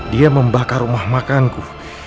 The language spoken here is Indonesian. dia membakar rumah makanku